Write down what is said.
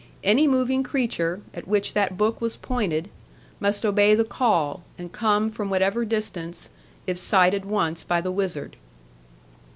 Any moving creature, at which that book was pointed, must obey the call, and come from whatever distance, if sighted once by the wizard.